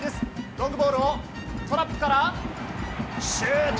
ロングボールをトラップからシュート！